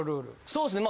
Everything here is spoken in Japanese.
そうですね